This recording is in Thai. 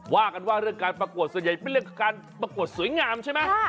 ว่ากันว่าเรื่องการประกวดส่วนใหญ่เป็นเรื่องการประกวดสวยงามใช่ไหม